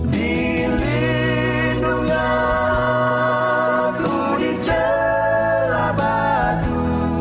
dilindungi aku di celah batu